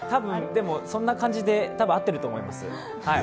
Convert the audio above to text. そんな感じで、多分合ってると思います。